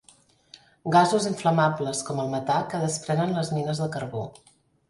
Gasos inflamables, com el metà, que desprenen les mines de carbó.